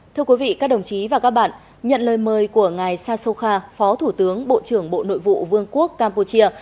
thưa quý vị các đồng chí và các bạn nhận lời mời của ngài sasoka phó thủ tướng bộ trưởng bộ nội vụ vương quốc campuchia